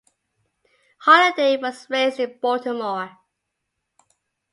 Holiday was raised in Baltimore.